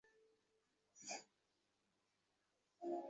পুরুষ অপেক্ষা নারীগণের আবার ইহা অধিক আবশ্যক।